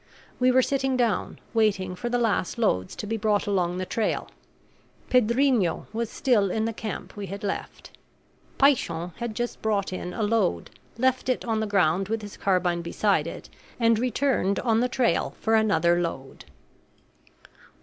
We were sitting down, waiting for the last loads to be brought along the trail. Pedrinho was still in the camp we had left. Paishon had just brought in a load, left it on the ground with his carbine beside it, and returned on the trail for another load.